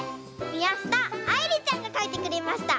みやしたあいりちゃんがかいてくれました。